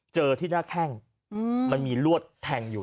เจอที่หน้าแข้งมันมีลวดแทงอยู่